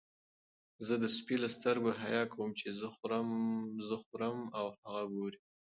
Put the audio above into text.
زه د سپي له سترګو حیا کوم چې زه خورم او هغه ګوري.